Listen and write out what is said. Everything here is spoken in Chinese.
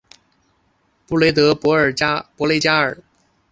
布迪德博雷加尔。